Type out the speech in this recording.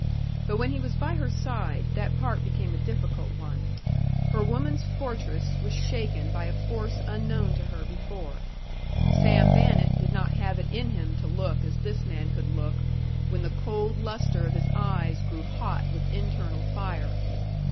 But when he was by her side, that part became a difficult one. Her woman's fortress was shaken by a force unknown to her before. Sam Bannett did not have it in him to look as this man could look, when the cold lustre of his eyes grew hot with internal fire.